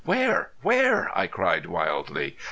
"Where? Where?" I cried, wildly.